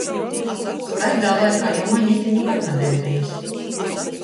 Skaidrā laikā jau mane ite nikod nabeja bejs.